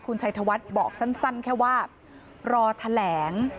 คุณชัยธวัฒน์บอกสั้นแค่ว่ารอแถลง